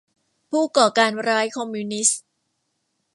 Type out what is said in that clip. ผู้ก่อการร้ายคอมมิวนิสต์